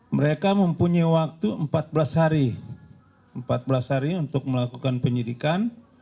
mereka mempunyai waktu empat belas hari untuk melakukan penyidikan